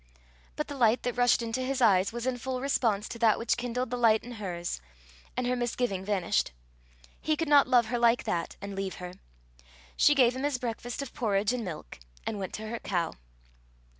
But the light that rushed into his eyes was in full response to that which kindled the light in hers, and her misgiving vanished; he could not love her like that and leave her. She gave him his breakfast of porridge and milk, and went to her cow.